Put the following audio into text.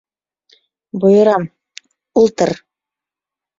Бойорам: ултыр!